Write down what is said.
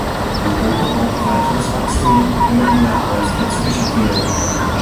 Europa braucht weiteres Wachstum, damit neue Arbeitsplätze geschaffen werden können.